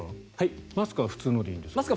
マスクは普通のでいいんですか？